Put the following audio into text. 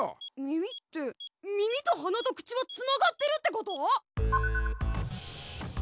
耳って耳と鼻と口はつながってるってこと！？